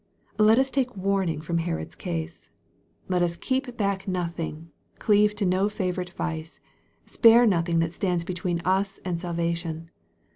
Let us take warning from Herod's case. Let us keep back nothing cleave to no favorite vice spare nothing that stands between us and salvation.